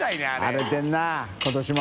荒れてるな今年も。